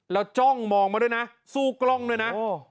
แล้วจ้องมองมาด้วยนะสู้กล้องด้วยนะ